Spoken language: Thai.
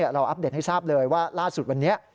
อัปเดตให้ทราบเลยว่าล่าสุดวันนี้